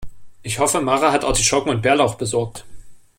Ich hoffe, Mara hat Artischocken und Bärlauch besorgt.